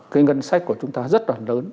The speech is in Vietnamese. cái ngân sách của chúng ta rất là lớn